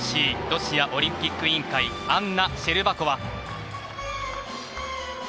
ＲＯＣ・ロシアオリンピック委員会アンナ・シェルバコワ。